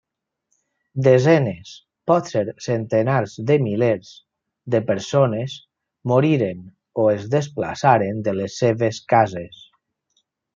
Desenes, potser centenars de milers, de persones moriren o es desplaçaren de les seves cases.